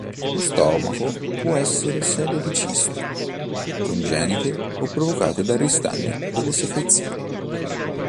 Lo stomaco può essere sede di cisti, congenite o provocate dal ristagno delle secrezioni.